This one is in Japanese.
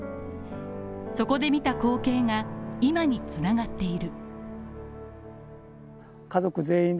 そこで見た光景が今に繋がっている。